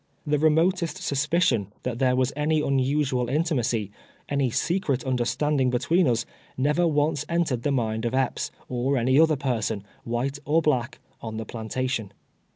The remotest sus])iciuu that there was any unusual inthna cy — any secret understanding between us — never once entered the mind of Epps, or any other jjcrson, white or black, on the plantation.